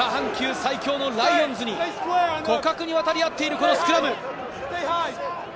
最強のライオンズに互角に渡り合っているこのスクラム。